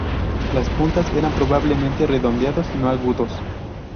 Las puntas eran probablemente redondeados, no agudos.